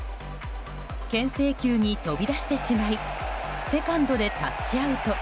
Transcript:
牽制球に飛び出してしまいセカンドでタッチアウト。